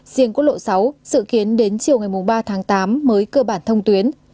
riêng quốc lộ sáu dự kiến đến chiều ngày ba tháng tám mới cơ bản thông tuyến